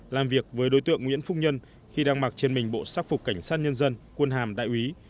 làm việc với đối tượng nguyễn phúc nhân khi đang mặc trên mình bộ sắc phục cảnh sát nhân dân quân hàm đại úy